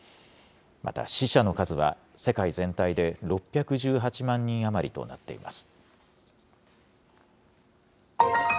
また、死者の数は世界全体で６１８万人余りとなっています。